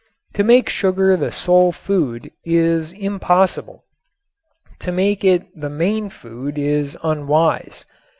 To make sugar the sole food is impossible. To make it the main food is unwise.